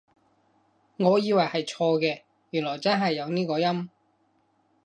我以為係錯嘅，原來真係有呢個音？